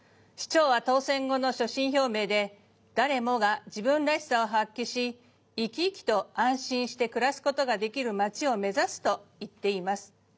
市長は当選後の所信表明で「誰もが自分らしさを発揮しいきいきと安心して暮らす事ができる街を目指す」と言っています。